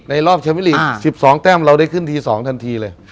รอบเชมิลีก๑๒แต้มเราได้ขึ้นที๒ทันทีเลย